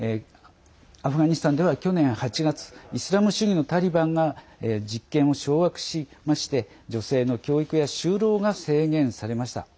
アフガニスタンでは去年８月イスラム主義のタリバンが実権を掌握しまして女性の教育や就労が制限されました。